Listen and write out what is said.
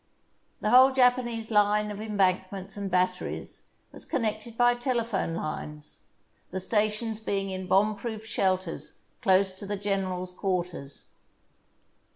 The whole Japanese line of embankments and batteries was connected by telephone lines, the sta tions being in bomb proof shelters close to the gen erals' quarters.